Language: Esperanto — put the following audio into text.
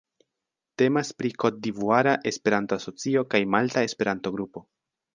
Temas pri Kotdivuara Esperanto-Asocio kaj Malta Esperanto-Grupo.